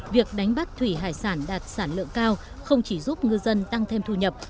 việc đánh bắt thủy hải sản đạt sản lượng cao không chỉ giúp ngư dân tăng thêm thu nhập